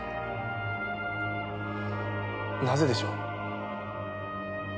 なぜでしょう？